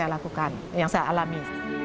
saya ingin melakukan hal yang saya alami